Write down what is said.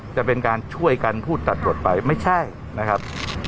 จะเป็นการช่วยกันพูดตัดกดไปไม่ใช่นะครับ